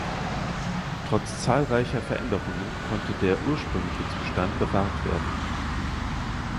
Trotz zahlreicher Veränderungen konnte der ursprüngliche Zustand bewahrt werden.